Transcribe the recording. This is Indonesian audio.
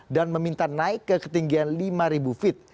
dan meminta naik ke ketinggian lima feet